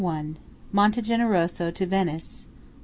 MONTE GENEROSO TO VENICE.